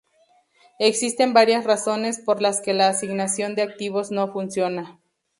Existen varias razones por las que la asignación de activos no funciona.